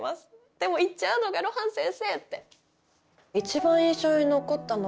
でも行っちゃうのが露伴先生って。